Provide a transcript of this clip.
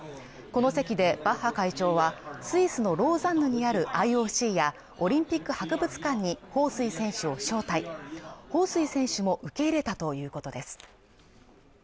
この席でバッハ会長はスイスのローザンヌにあるＩＯＣやオリンピック博物館に彭帥選手を招待彭帥選手も受け入れたということです